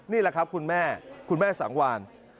นี่แหละครับคุณแม่คุณแม่สังวาน